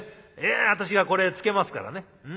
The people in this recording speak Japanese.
いや私がこれ付けますからね。